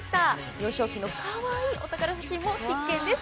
幼少期のかわいいお宝写真も必見です。